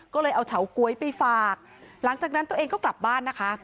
ก็เลยเอาเฉาก๊วยไปฝากหลังจากนั้นตัวเองก็กลับบ้านนะคะ